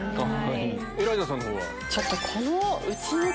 エライザさんのほうは。